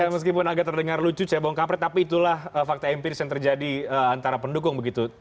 meskipun agak terdengar lucu cebong kampret tapi itulah fakta empiris yang terjadi antara pendukung begitu